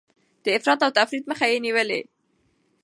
د افراط او تفريط مخه يې نيولې.